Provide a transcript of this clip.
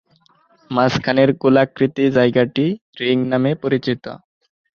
মাঝখানের গোলাকৃতি জায়গাটি "রিং" নামে পরিচিত।